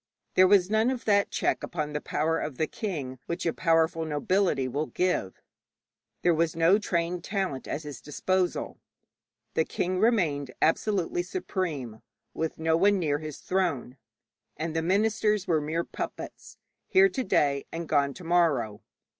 There was none of that check upon the power of the king which a powerful nobility will give; there was no trained talent at his disposal. The king remained absolutely supreme, with no one near his throne, and the ministers were mere puppets, here to day and gone to morrow.